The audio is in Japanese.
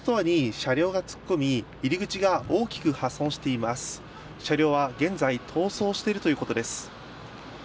車両は現在逃走しているということです。